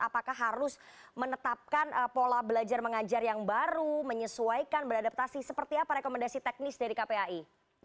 apakah harus menetapkan pola belajar mengajar yang baru menyesuaikan beradaptasi seperti apa rekomendasi teknis dari kpai